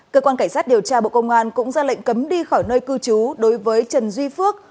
cơ quan cảnh sát điều tra bộ công an cũng ra lệnh cấm đi khỏi nơi cư trú đối với trần duy phước